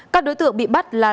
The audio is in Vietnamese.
các đối tượng bị bắt là